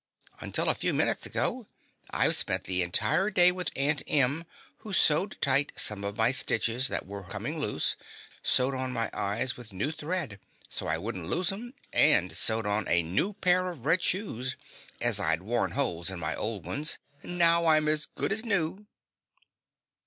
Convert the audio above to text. "Until a few minutes ago, I've spent the entire day with Aunt Em who sewed tight some of my stitches that were coming loose, sewed on my eyes with new thread, so I wouldn't lose 'em, and sewed on a new pair of red shoes, as I'd worn holes in my old ones. Now I'm as good as new!"